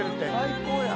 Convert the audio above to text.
最高やん。